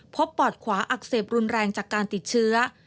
ปอดขวาอักเสบรุนแรงจากการติดเชื้อ